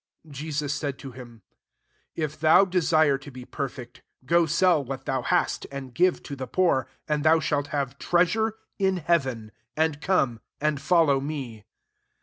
21 Jesus said to him, '^ If thou desire to be per fect, go sell what thou hast, and give to the poor; and ^ou shalt have treasure in hea ven : and come and follow me."